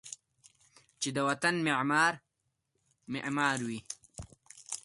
چې و طن معمار ، معمار وی